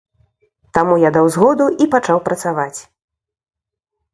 Таму я даў згоду і пачаў працаваць.